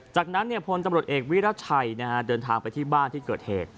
จากนั้นพลตำรวจเอกวิรัชัยเดินทางไปที่บ้านที่เกิดเหตุ